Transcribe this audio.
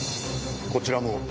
こちらも。